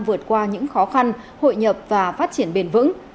vượt qua những khó khăn hội nhập và phát triển bền vững